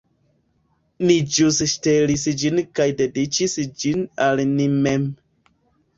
Ni ĵus ŝtelis ĝin kaj dediĉis ĝin al ni mem